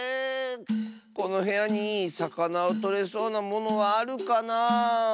このへやにさかなをとれそうなものはあるかなあ。